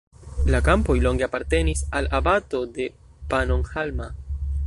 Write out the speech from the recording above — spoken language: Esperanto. La kampoj longe apartenis al abato de Pannonhalma.